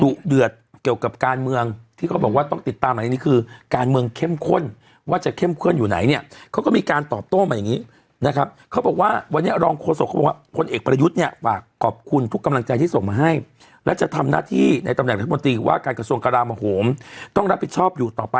เดือดเกี่ยวกับการเมืองที่เขาบอกว่าต้องติดตามหลังจากนี้คือการเมืองเข้มข้นว่าจะเข้มข้นอยู่ไหนเนี่ยเขาก็มีการตอบโต้มาอย่างนี้นะครับเขาบอกว่าวันนี้รองโฆษกเขาบอกว่าพลเอกประยุทธ์เนี่ยฝากขอบคุณทุกกำลังใจที่ส่งมาให้และจะทำหน้าที่ในตำแหนรัฐมนตรีว่าการกระทรวงกรามโหมต้องรับผิดชอบอยู่ต่อไป